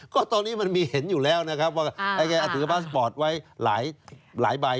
ก็ตอนนี้มันมีเห็นอยู่แล้วนะครับว่าแกถือพาสปอร์ตไว้หลายใบ